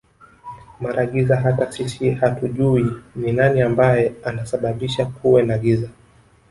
mara giza hata sisi hatujuwi ni nani ambaye ana sababisha kuwe na giza